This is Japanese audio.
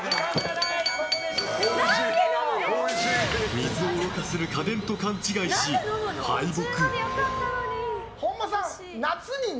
水をろ過する家電と勘違いし敗北。